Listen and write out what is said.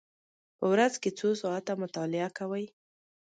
په ورځ کې څو ساعته مطالعه کوئ؟